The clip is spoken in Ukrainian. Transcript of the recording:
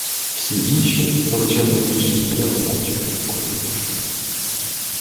Всі інші, величезна більшість, стояли мовчки, похнюпившись.